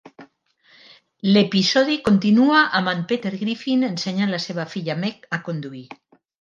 L'episodi continua amb en Peter Griffin ensenyant la seva filla Meg a conduir.